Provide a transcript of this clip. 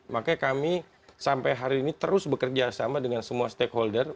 makanya kami sampai hari ini terus bekerja sama dengan semua stakeholder